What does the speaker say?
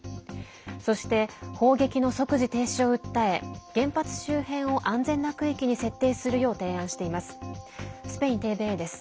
そして、砲撃の即時停止を訴え原発周辺を安全な区域に設定するよう提案しています。